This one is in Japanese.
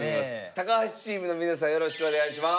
高橋チームの皆さんよろしくお願いします。